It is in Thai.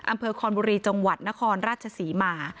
อำเภอคอนบุรีจังหวัดนครราชศรีมา